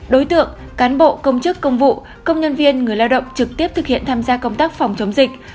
đối tượng cán bộ công chức công vụ công nhân viên người lao động trực tiếp thực hiện tham gia công tác phòng chống dịch